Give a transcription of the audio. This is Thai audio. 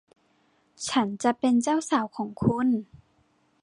ฉันจะเป็นเจ้าสาวของคุณ